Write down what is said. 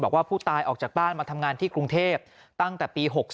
บอกว่าผู้ตายออกจากบ้านมาทำงานที่กรุงเทพตั้งแต่ปี๖๓